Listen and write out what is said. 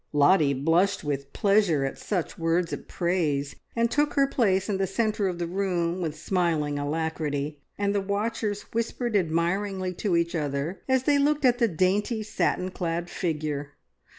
Lottie blushed with pleasure at such words of praise, and took her place in the centre of the room with smiling alacrity, and the watchers whispered admiringly to each other as they looked at the dainty, satin clad figure.